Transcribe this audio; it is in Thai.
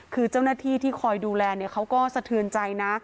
คือเจ้าหน้าที่ที่คอยดูแลเขาก็สะเทือนใจนะ